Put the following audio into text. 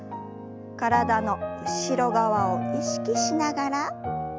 体の後ろ側を意識しながら戻して。